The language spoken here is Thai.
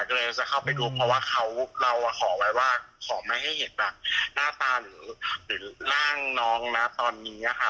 ก็เลยจะเข้าไปดูเพราะว่าเขาเราขอไว้ว่าขอไม่ให้เห็นแบบหน้าตาหรือร่างน้องนะตอนนี้ค่ะ